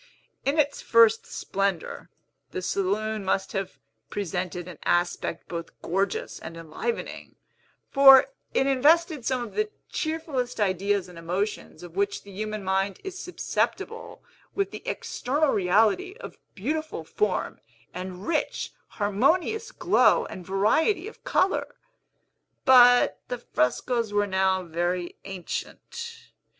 In its first splendor, the saloon must have presented an aspect both gorgeous and enlivening; for it invested some of the cheerfullest ideas and emotions of which the human mind is susceptible with the external reality of beautiful form, and rich, harmonious glow and variety of color. But the frescos were now very ancient.